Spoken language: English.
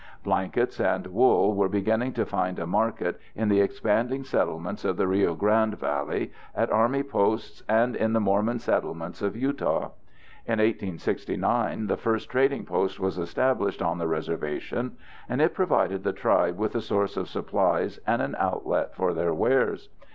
Blankets and wool were beginning to find a market in the expanding settlements of the Rio Grande Valley, at army posts, and in the Mormon settlements of Utah. In 1869, the first trading post was established on the reservation, and it provided the tribe with a source of supplies and an outlet for their wares.